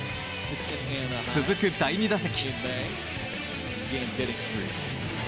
続く第２打席。